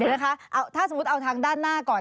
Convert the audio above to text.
นะคะถ้าสมมุติเอาทางด้านหน้าก่อน